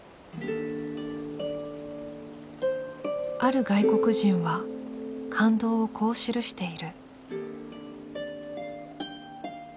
ある外国人は感動をこう記している。